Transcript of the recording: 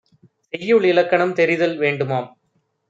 செய்யுள் இலக்கணம் தெரிதல் வேண்டுமாம்!